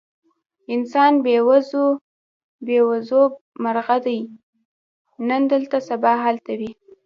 انسان بې وزرو مرغه دی، نن دلته سبا هلته وي.